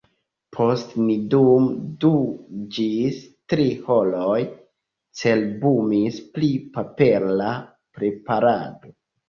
Poste ni dum du ĝis tri horoj cerbumis pri papera preparado.